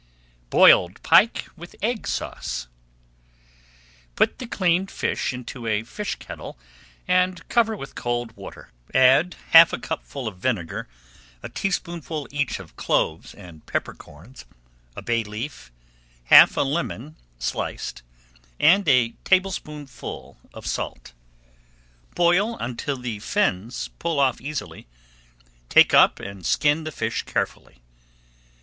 BOILED PIKE WITH EGG SAUCE Put the cleaned fish into a fish kettle and [Page 247] cover with cold water. Add half a cupful of vinegar, a teaspoonful each of cloves and pepper corns, a bay leaf, half a lemon sliced, and a tablespoonful of salt. Boil until the fins pull off easily, take up and skin the fish carefully.